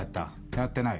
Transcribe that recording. やってない？